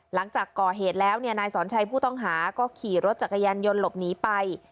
หลังจากก่อเหตุแล้วนายสอนชัยผู้ต้องหาก็ขี่รถจักรยานยนต์หลบหนีไป